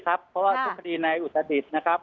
เพราะว่าทะพิดีการอุตสะดิลนะครับ